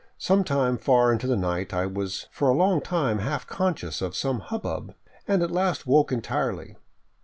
Some time far into night I was for a long time half conscious of some hubbub, and at last woke en tirely.